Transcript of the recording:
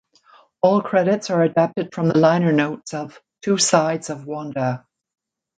All credits are adapted from the liner notes of "Two Sides of Wanda".